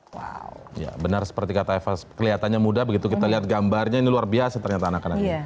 wow ya benar seperti kata eva kelihatannya mudah begitu kita lihat gambarnya ini luar biasa ternyata anak anaknya